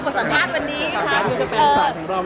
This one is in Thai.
ขวดสนทราบวันนี้ครับ